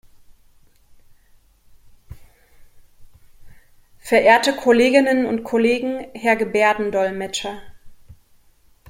Verehrte Kolleginnen und Kollegen, Herr Gebärdendolmetscher!